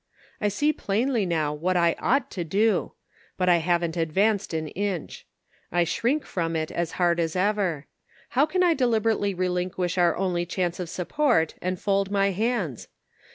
I see plainly now what I ought to do ; but I havn't advanced an inch. J shrink from it as hard as ever. How can I deliberately relinquish our only chance of support and fold my hands